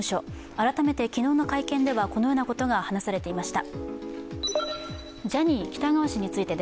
改めて昨日の会見ではこのようなことが話されていました。